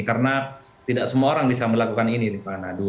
karena tidak semua orang bisa melakukan ini pak anadu